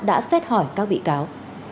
đã xét hỏi các bị cáo